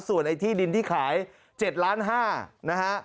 ส่วนไอ้ที่ดินที่ขาย๗๕ล้านบาท